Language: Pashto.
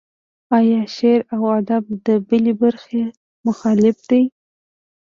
ایا شعر و ادب د بلې برخې مخالف دی.